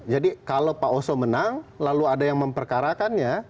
jadi kalau pak oso menang lalu ada yang memperkarakannya